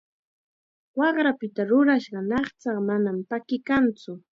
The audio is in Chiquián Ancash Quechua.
Waqrapita rurashqa ñaqchaqa manam pakikantsu.